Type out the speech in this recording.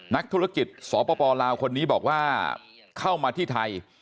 นักธุรกิจสปลาวคนนี้บอกว่าเข้ามาที่ไทย